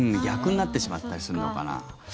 逆になってしまったりするのかな。